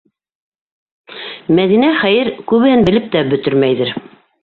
Мәҙинә, хәйер, күбеһен белеп тә бөтөрмәйҙер.